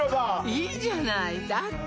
いいじゃないだって